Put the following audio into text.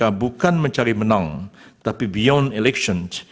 kita bukan mencari menang tapi beyond election